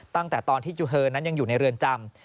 ตั้งแต่ตอนที่ยูเฮินนั้นยังอยู่ในเรือนจำ